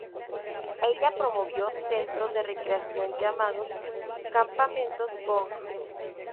Ella promovió centros de recreación llamados campamentos Bong.